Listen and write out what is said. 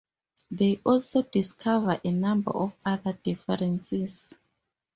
They also discover a number of other differences.